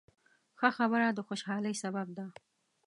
ښه خبره د خوشحالۍ سبب ده.